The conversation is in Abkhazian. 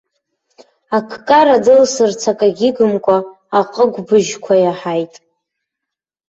Аккара дылсырц акагь игымкәа, аҟыгәбыжьқәа иаҳаит.